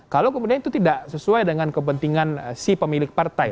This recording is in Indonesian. kalau kemudian itu tidak sesuai dengan kepentingan si pemilik partai